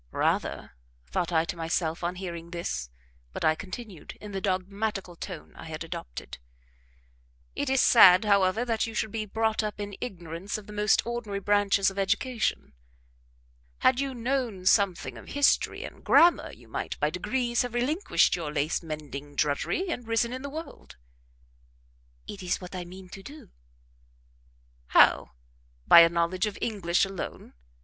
"Rather," thought I to myself on hearing this, but I continued, in the dogmatical tone I had adopted: "It is sad, however, that you should be brought up in ignorance of the most ordinary branches of education; had you known something of history and grammar you might, by degrees, have relinquished your lace mending drudgery, and risen in the world." "It is what I mean to do." "How? By a knowledge of English alone?